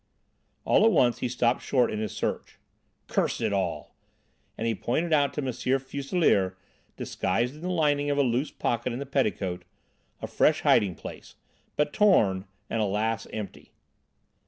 All at once he stopped short in his search. "Curse it all!" And he pointed out to M. Fuselier, disguised in the lining of a loose pocket in the petticoat a fresh hiding place, but torn and alas! empty.